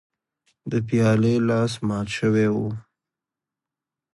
د پیالې لاس مات شوی و.